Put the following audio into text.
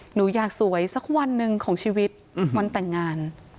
หนูอยากสวยสักวันหนึ่งของชีวิตวันแต่งงาน